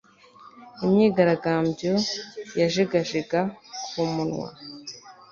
Imyigaragambyo yajegajega ku munwa